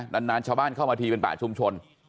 นานชาวบ้านเข้ามาทีเป็นป่าชุมชน